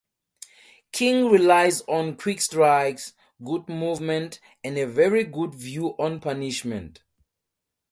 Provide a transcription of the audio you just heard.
King relies on quick strikes, good movement, and a very good view on punishment.